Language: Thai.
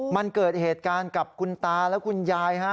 มันเกิดเหตุการณ์กับคุณตาและคุณยายฮะ